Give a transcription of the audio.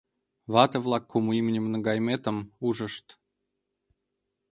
Вате-влак кум имньым наҥгайыметым ужышт.